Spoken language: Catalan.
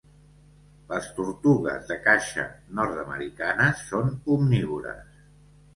Les tortugues de caixa nord-americanes són omnívores.